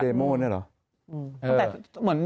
โม่เนี่ยเหรอ